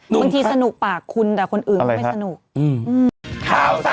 บางทีสนุกปากคุณแต่คนอื่นก็ไม่สนุก